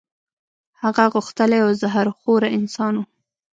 هغه غښتلی او زهر خوره انسان وو.